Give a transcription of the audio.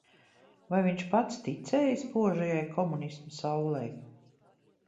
Vai viņš pats ticēja spožajai komunisma saulei?